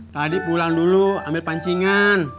tadi pulang dulu ambil pancingan